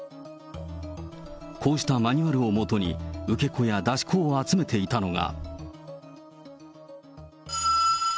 こうしたマニュアルをもとに、受け子や出し子を集めていたのが。